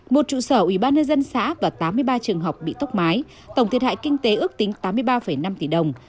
một trụ sở ubnd dân xã và tám mươi ba trường học bị tốc mái tổng thiệt hại kinh tế ước tính tám mươi ba năm tỷ đồng